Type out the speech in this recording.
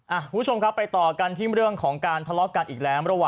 อ้าวผู้ชมครับไปต่อกันที่เรื่องของการพลาดกันอีกแล้ว